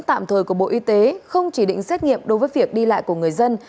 tạm thời của bộ y tế không chỉ định xét nghiệm đối với việc đi lại của người dân